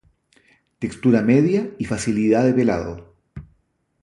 Textura media y facilidad de pelado.